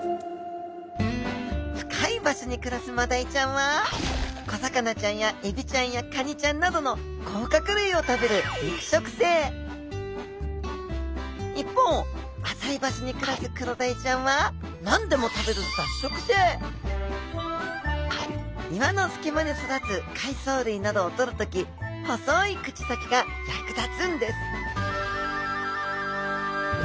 深い場所に暮らすマダイちゃんは小魚ちゃんやエビちゃんやカニちゃんなどの甲殻類を食べる一方浅い場所に暮らすクロダイちゃんは何でも食べる岩の隙間に育つ海藻類などをとる時細い口先が役立つんです